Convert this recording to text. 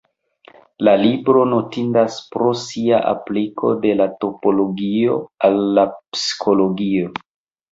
La libro notindas pro sia apliko de la topologio al la psikologio.